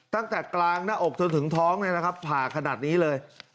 ตั้งแต่กลางหน้าอกเธอถึงท้องนะครับผ่าขนาดนี้เลย